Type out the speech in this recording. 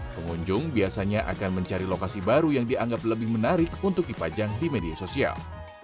pengunjung biasanya akan mencari lokasi baru yang dianggap lebih menarik untuk dipajang di media sosial